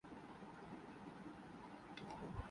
یہ لوگ کم از کم خدا کو مانتے ہیں۔